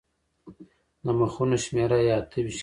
د مخونو شمېره یې اته ویشت کېږي.